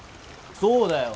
そうだよ。